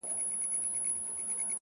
زړورتیا د وېرو د ماتولو لومړی قدم دی!